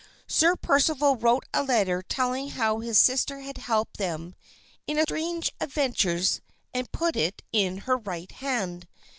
Sir Percival wrote a letter telling how his sister had helped them in strange adventures and put it in her right hand.